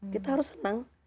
kita harus senang